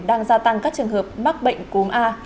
đang gia tăng các trường hợp mắc bệnh cúm a